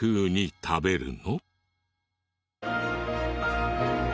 食べるの？